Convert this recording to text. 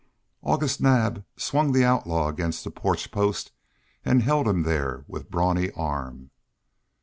August Naab swung the outlaw against the porch post and held him there with brawny arm.